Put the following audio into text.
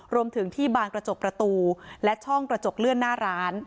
รวมถึงที่บางกระจกประตูและช่องกระจกเลื่อนหน้าร้าน